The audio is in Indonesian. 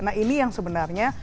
nah ini yang sebenarnya